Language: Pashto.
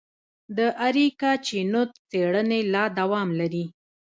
د اریکا چینوت څېړنې لا دوام لري.